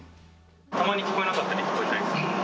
たまに聞こえなかったり聞こえたりする。